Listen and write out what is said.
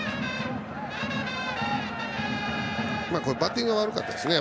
これは、バッティングが悪かったですね。